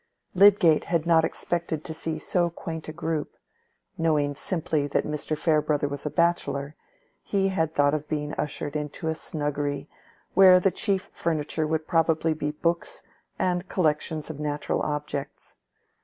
Lydgate had not expected to see so quaint a group: knowing simply that Mr. Farebrother was a bachelor, he had thought of being ushered into a snuggery where the chief furniture would probably be books and collections of natural objects.